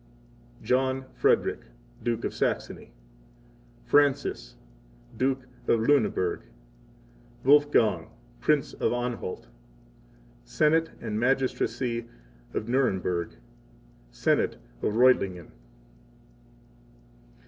13 John Frederick, Duke of Saxony. 14 Francis, Duke of Lueneburg. 15 Wolfgang, Prince of Anhalt. 16 Senate and Magistracy of Nuremburg. 17 Senate of Reutlingen.